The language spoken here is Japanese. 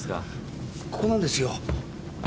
ここなんですよ。